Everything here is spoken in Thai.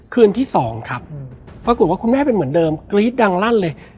คืนที่๒ครับปรากฏว่าคุณแม่เป็นเหมือนเดิมกรี๊ดดังลั่นเลย